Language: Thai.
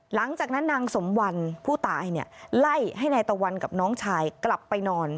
หลังจากนั้นนางสมวันผู้ตายไล่ให้นายตะวันกับน้องชายกลับไปนอน